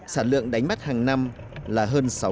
sản lượng đánh bắt hàng năm là hơn sáu mươi